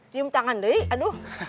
tium tangan deh